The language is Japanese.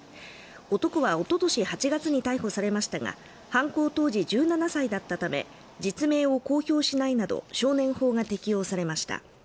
男はおととし８月に逮捕されましたが、犯行当時１７歳だったため実名を公表しないなど、少年法が適用されました。